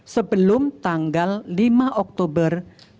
sebelum tanggal lima oktober dua ribu dua puluh